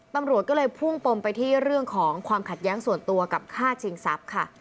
ตำรวจก็เลยพุ่งปมไปที่เรื่องของความขัดแย้งส่วนตัวกับฆ่าชิงทรัพย์ค่ะ